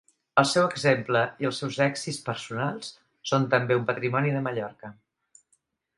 El seu exemple i els seus èxits personals són també un patrimoni de Mallorca.